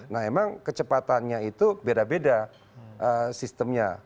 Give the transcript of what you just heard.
nah emang kecepatannya itu beda beda sistemnya